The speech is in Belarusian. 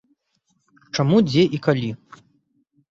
Чаму, дзе і калі?